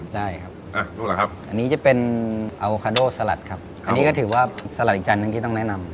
ใช่ครับอันนี้จะเป็นอาโวคาโดสาลัดครับอันนี้ก็ถือว่าสาลัดอีกจานนึงที่ต้องแนะนำ